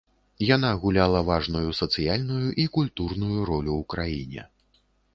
Яна гуляла важную сацыяльную і культурную ролю ў краіне.